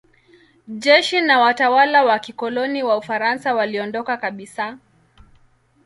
Jeshi na watawala wa kikoloni wa Ufaransa waliondoka kabisa.